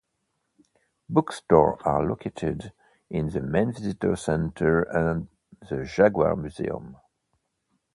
Bookstores are located in the main visitor center and the Jaggar Museum.